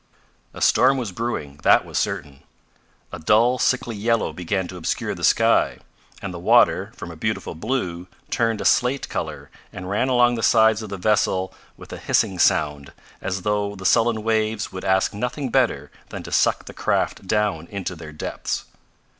A storm was brewing, that was certain. A dull, sickly yellow began to obscure the sky, and the water, from a beautiful blue, turned a slate color and ran along the sides of the vessel with a hissing sound as though the sullen waves would ask nothing better than to suck the craft down into their depths.